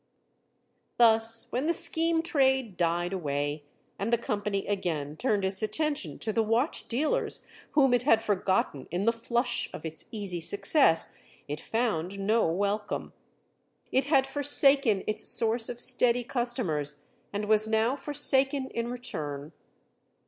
Thus, when the scheme trade died away and the company again turned its attention to the watch dealers whom it had forgotten in the flush of its easy success, it found no welcome. It had forsaken its source of steady customers and was now forsaken in return.